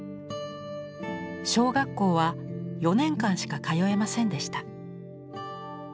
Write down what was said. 小学校は４年間しか通えませんでした。